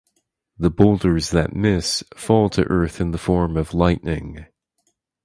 The boulders that miss fall to earth in the form of lightning.